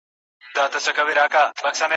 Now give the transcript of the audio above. وزیران وه که قاضیان د ده خپلوان وه